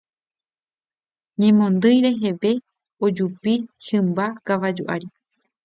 Ñemondýi reheve ojupi hymba kavaju ári.